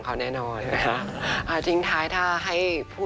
ชื่อว่าเอิ้นด่าพาวจู๊